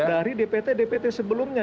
dari dpd dpt sebelumnya